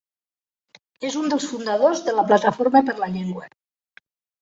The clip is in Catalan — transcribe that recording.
És un dels fundadors de la Plataforma per la Llengua.